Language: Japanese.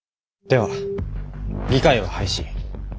では議会は廃止。